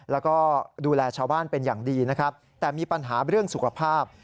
แล้วก็ดูแลชาวบ้านเป็นอย่างดีนะครับแต่มีปัญหาเรื่องสุขภาพ